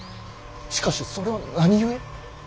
しかしそれは何故。